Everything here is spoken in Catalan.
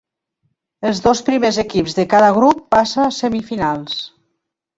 Els dos primers equips de cada grup passa a semifinals.